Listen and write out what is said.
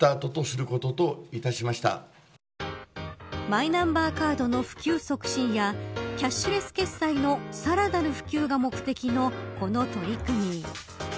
マイナンバーカードの普及促進やキャッシュレス決済のさらなる普及が目的のこの取り組み。